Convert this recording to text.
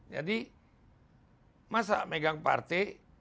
jadi masa megang partai